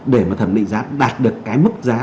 để mà thẩm định giá đạt được cái mức giá